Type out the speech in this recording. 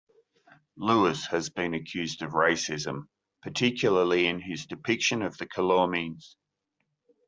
Lewis has been accused of racism, particularly in his depiction of the Calormenes.